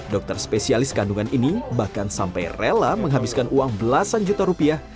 dokter spesialis kandungan ini bahkan sampai rela menghabiskan uang belasan juta rupiah